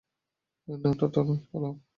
না, ঠাট্টা নয়, পালাও।